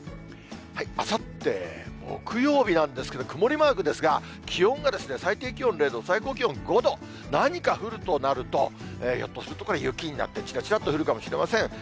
あさって木曜日なんですけれども、曇りマークですが、気温が最低気温０度、最高気温５度、何か降るとなると、ひょっとするとこれ、雪になると、ちらちらっと降るかもしれません。